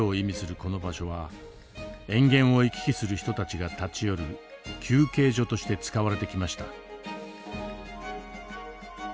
この場所は塩原を行き来する人たちが立ち寄る休憩所として使われてきました。